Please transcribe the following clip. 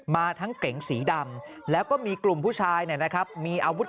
เอาตรงนั้นรายฐานต้องปรับฐาน